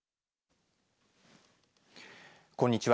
こんにちは。